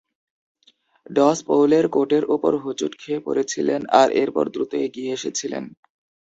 DOS পৌলের কোটের ওপর হোঁচট খেয়ে পড়েছিলেন আর এরপর দ্রুত এগিয়ে এসেছিলেন।